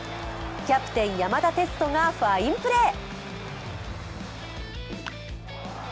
キャプテン・山田哲人がファインプレー。